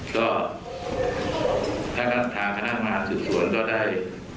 ก็ไปทางภูมิการขนาดมาสถิตภูมิก็ได้